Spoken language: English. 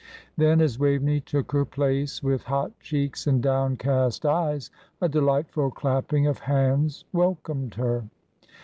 Then, as Waveney took her place, with hot cheeks and downcast eyes, a delightful clapping of hands welcomed her.